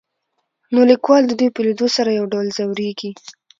نو ليکوال د دوي په ليدو سره يو ډول ځوريږي.